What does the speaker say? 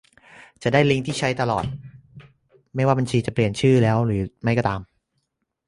จะได้ลิงก์ที่ใช้ได้ตลอด ไม่ว่าบัญชีจะเปลี่ยนชื่อแล้วหรือไม่ก็ตาม